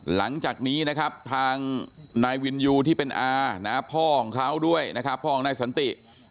หลังจากนี้นะครับทางนายวินยูที่เป็นอานะพ่อของเขาด้วยนะครับพ่อของนายสันติ